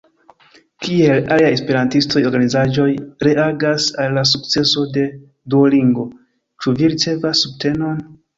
Kiel aliaj esperantistaj organizaĵoj reagas al la sukceso de Duolingo, ĉu vi ricevas subtenon?